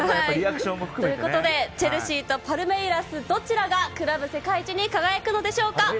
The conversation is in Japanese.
チェルシーとパルメイラスどちらがクラブ世界一に輝くのでしょうか？